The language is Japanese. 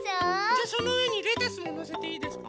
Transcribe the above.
じゃあそのうえにレタスものせていいですか？